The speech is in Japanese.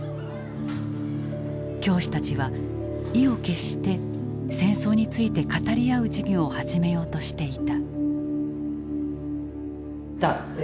教師たちは意を決して戦争について語り合う授業を始めようとしていた。